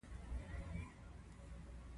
مېز د خوړو تنظیم اسانه کوي.